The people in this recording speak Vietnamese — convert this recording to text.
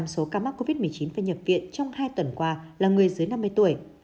năm mươi số ca mắc covid một mươi chín phải nhập viện trong hai tuần qua là người dưới năm mươi tuổi